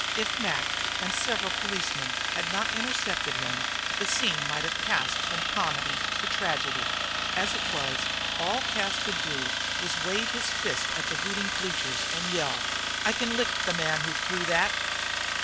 If Mac and several policemen had not intercepted him, the scene might have passed from comedy to tragedy. As it was, all Cas could do was to wave his fist at the hooting bleachers and yell: "I can lick the man who threw that!"